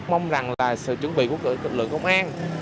mong rằng là sự chuẩn bị của lực lượng công an